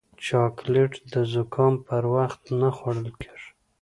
چاکلېټ د زکام پر وخت نه خوړل کېږي.